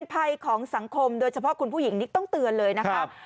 ภัยของสังคมโดยเฉพาะคุณผู้หญิงนี่ต้องเตือนเลยนะครับ